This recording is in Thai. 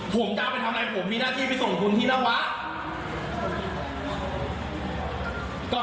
ผมจะไปทำอะไรผมมีหน้าที่ไปส่งคุณที่นักวัฒน์